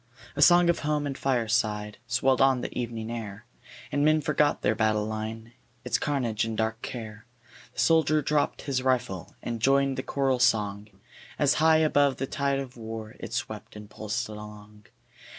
A song of home and fireside Swelled on the evening air, And men forgot their battle line, Its carnage and dark care ; The soldier dropp'd his rifle And joined the choral song, As high above the tide of war It swept and pulsed along.